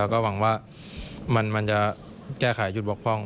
แล้วก็หวังว่ามันจะแก้ไขจุดบกพร่อง